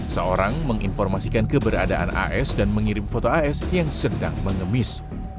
seorang menginformasikan keberadaan as dan mengirim foto as yang sedang mengemis